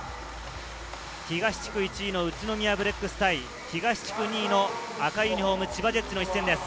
東地区１位の宇都宮ブレックス対東地区２位の赤いユニホーム、千葉ジェッツの一戦です。